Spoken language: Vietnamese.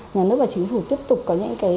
nhà nước và chính phủ tiếp tục có những cái